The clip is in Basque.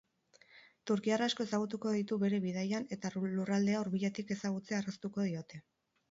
Turkiar asko ezagutuko ditu bere bidaian eta lurraldea hurbiletik ezagutzea erraztuko diote.